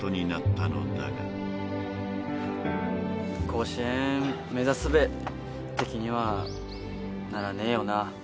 甲子園目指すべって気にはならねえよな。